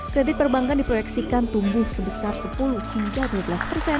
kredit perbankan diproyeksikan tumbuh sebesar sepuluh hingga dua belas persen